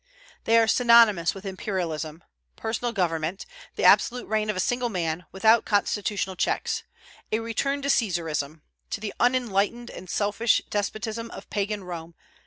They are synonymous with imperialism, personal government, the absolute reign of a single man, without constitutional checks, a return to Caesarism, to the unenlightened and selfish despotism of Pagan Rome.